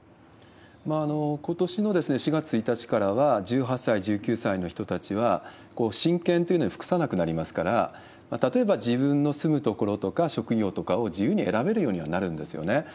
ことしの４月１日からは、１８歳、１９歳の人たちは親権というのに服さなくなりますから、例えば自分の住む所とか職業とかを自由に選べるようにはなるんですね。